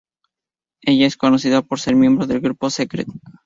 Ella es conocida por ser miembro del grupo Secret.